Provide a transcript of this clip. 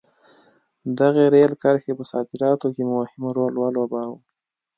دغې رېل کرښې په صادراتو کې مهم رول ولوباوه.